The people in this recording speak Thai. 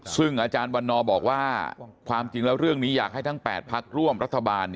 ซึ่งอาจารย์วันนอบอกว่าความจริงแล้วเรื่องนี้อยากให้ทั้ง๘พักร่วมรัฐบาล